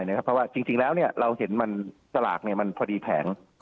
เพราะว่าจริงแล้วเราเห็นสลากมันพอดีแผง